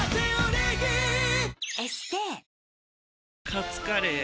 カツカレー？